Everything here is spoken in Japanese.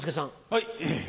はい。